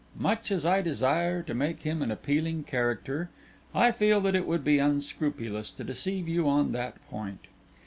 Much as I desire to make him an appealing character, I feel that it would be unscrupulous to deceive you on that point.